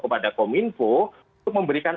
kepada kominfo untuk memberikan